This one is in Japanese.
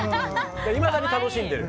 いまだに楽しんでる。